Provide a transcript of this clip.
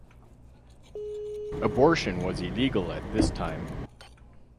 Abortion was illegal at this time.